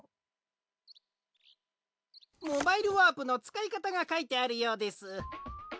モバイルワープのつかいかたがかいてあるようです。